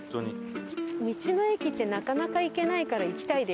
道の駅ってなかなか行けないから行きたいです。